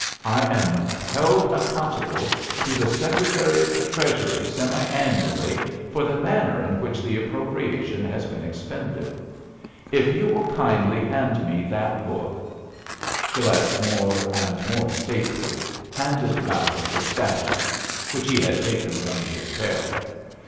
I am held accountable to the Secretary of the Treasury semiannually for the manner in which the appropriation has been expended. If you will kindly hand me that book " Gilet, more and more stately, handed Ballard the Statutes, which he had taken from Des Pères.